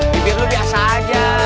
bibir lu biasa aja